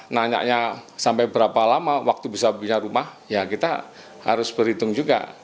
nanya sampai berapa lama waktu bisa punya rumah ya kita harus berhitung juga